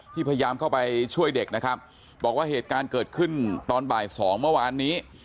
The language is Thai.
พยายามเข้าไปช่วยเด็กนะครับบอกว่าเหตุการณ์เกิดขึ้นตอนบ่ายสองเมื่อวานนี้